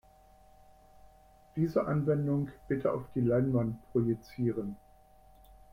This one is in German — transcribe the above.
Diese Anwendung bitte auf die Leinwand projizieren.